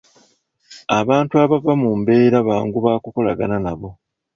Abantu abava mu mbeera bangu ba kukolagana nabo.